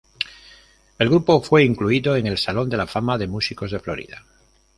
El grupo fue incluido en el Salón de la Fama de músicos de Florida.